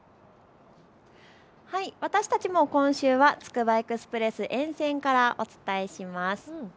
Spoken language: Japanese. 私たちも今週はつくばエクスプレス沿線からお伝えします。